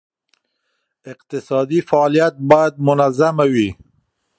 اقتصادي فعالیت باید منظمه وي.